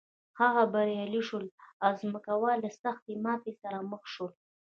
هغوی بریالي شول او ځمکوال له سختې ماتې سره مخ شول.